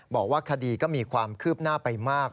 บอกว่าคดีก็มีความคืบหน้าไปมาก